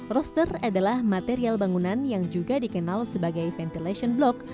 roster adalah material bangunan yang juga dikenal sebagai ventilation block